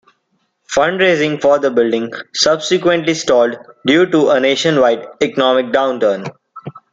Fundraising for the building subsequently stalled due to a nationwide economic downturn.